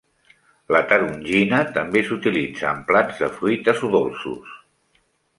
La tarongina també s'utilitza amb plats de fruites o dolços.